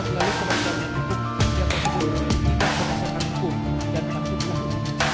melalui kemasyarakat yang ditutup dan proses berlaku dan makin berlaku